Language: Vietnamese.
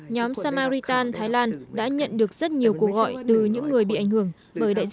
nhóm samaritan thái lan đã nhận được rất nhiều cuộc gọi từ những người bị ảnh hưởng